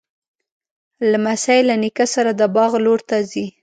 لمسی له نیکه سره د باغ لور ته ځي.